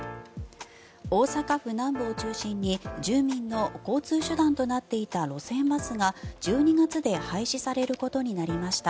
大阪府南部を中心に住民の交通手段となっていた路線バスが１２月で廃止されることになりました。